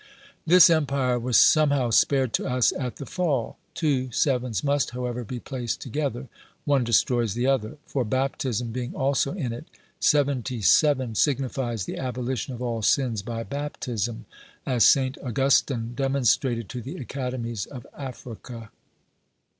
This empire was somehow spared to us at the fall ; two sevens must, however, be placed together ; one destroys the other : for baptism being also in it, seventy seven signifies the abolition of all sins by baptism, as St. Augustine demonstrated to the academies of Africa.